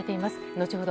後ほど